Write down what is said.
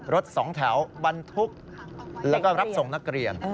รถสองแถวบรรทุกแล้วก็รับส่งนักเรียน